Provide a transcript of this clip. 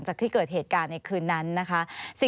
สวัสดีครับทุกคน